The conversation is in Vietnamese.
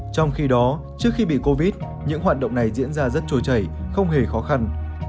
trong khi đó trước khi bị covid những hoạt động này diễn ra rất trồi chảy không hề khó khăn